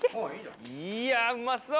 いやうまそう！